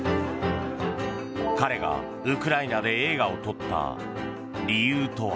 彼がウクライナで映画を撮った理由とは。